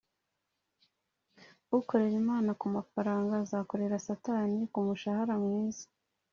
ukorera imana kumafaranga azakorera satani kumushahara mwiza.